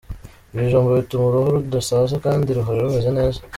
Ibijumba bituma uruhu rudasaza kandi ruhora rumeze neza.